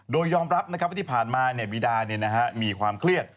โดยยอมรับว่าที่ผ่านมาบีดามีความเครียด